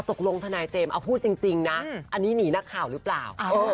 ทนายเจมส์เอาพูดจริงนะอันนี้หนีนักข่าวหรือเปล่า